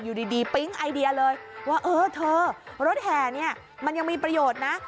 อยู่ดีปิ๊งไอเดียเลยว่าเออเธอรถแห่เนี่ยมันยังมีประโยชน์นะ